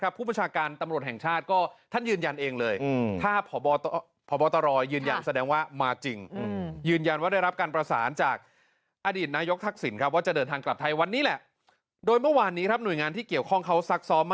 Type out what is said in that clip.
ครับผู้ประชาการตำรวจแห่งชาติก็ท่านยืนยันเองเลยอืม